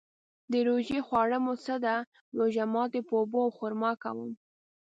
د روژې خواړه مو څه ده؟ روژه ماتی په اوبو او خرما کوم